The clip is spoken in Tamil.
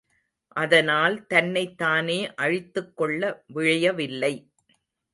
அதனால் தன்னைத் தானே அழித்துக்கொள்ள விழையவில்லை.